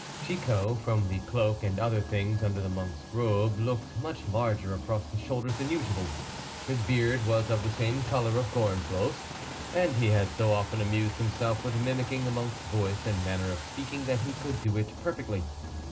Chicot, from the cloak and other things under the monk's robe, looked much larger across the shoulders than usual. His beard was of the same color as Gorenflot's, and he had so often amused himself with mimicking the monk's voice and manner of speaking that he could do it perfectly.